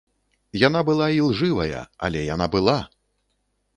Яна была ілжывая, але яна была!